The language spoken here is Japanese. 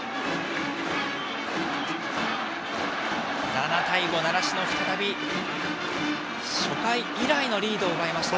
７対５、習志野、再び初回以来のリードをとりました。